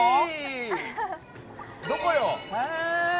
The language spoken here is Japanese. どこよ！